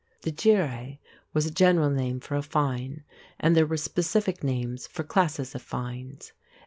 Dire (djeereh) was a general name for a fine, and there were specific names for classes of fines.